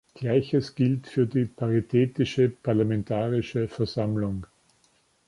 Gleiches gilt für die Paritätische Parlamentarische Versammlung.